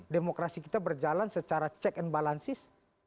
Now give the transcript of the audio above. demokrasi kita berjalan secara check and balances